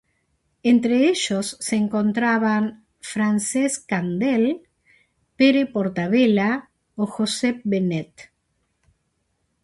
Entre ellos se encontraban Francesc Candel, Pere Portabella o Josep Benet.